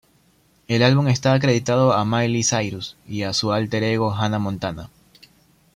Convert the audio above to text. El álbum está acreditado a Miley Cyrus y a su alter ego Hannah Montana.